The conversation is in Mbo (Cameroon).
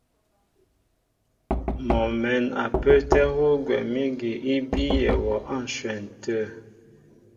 Mɔ mɛ̌n a pə́ə́tɛ́ hú gwɛ̌m ígi í bíyɛ wɔ á ǹshwɛn tə̂.